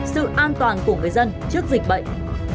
sự an toàn của người dân trước dịch bệnh